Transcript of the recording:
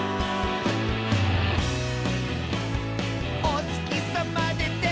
「おつきさまでて」